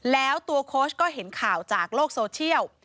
แล้วตัวโค้ชก็เห็นข่าวจากโลกโซเชียล